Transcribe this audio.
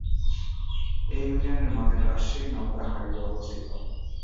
এই ইউনিয়নের মাঝে রাজশাহী-নওগাঁ হাইওয়ে অবস্থিত।